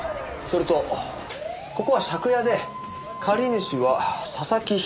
それとここは借家で借り主は佐々木広子３０歳。